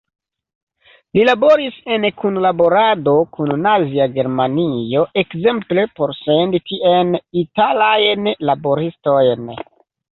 Li laboris en kunlaborado kun Nazia Germanio ekzemple por sendi tien italajn laboristojn.